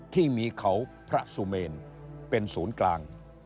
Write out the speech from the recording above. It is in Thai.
ที่มีเขาพระสุเมนเป็นศูนย์กลาง